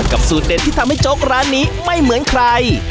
สูตรเด็ดที่ทำให้โจ๊กร้านนี้ไม่เหมือนใคร